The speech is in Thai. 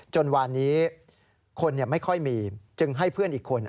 วานนี้คนไม่ค่อยมีจึงให้เพื่อนอีกคน